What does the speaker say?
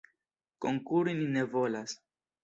Konkuri ni ne volas.